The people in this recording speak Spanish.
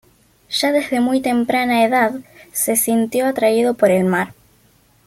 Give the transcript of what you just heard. Ya desde muy temprana edad se sintió atraído por el mar.